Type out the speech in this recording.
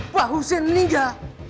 pak husin meninggal